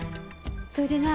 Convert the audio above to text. それで何？